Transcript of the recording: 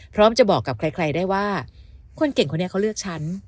พร้อมจะบอกกับใครได้ว่าคนเก่งคนนี้เขาเลือกฉัน